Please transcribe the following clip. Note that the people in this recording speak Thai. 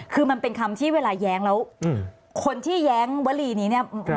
คือมันเป็นคำที่เวลาแย้งแล้วคนที่แย้งวลีนี้เนี่ย